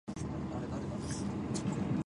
桔梗駅